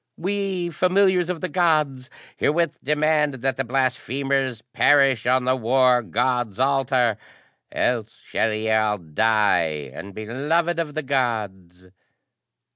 "We, familiars of the Gods, herewith demand that the blasphemers perish on the War God's altar! Else shall ye all die unbeloved of the Gods!"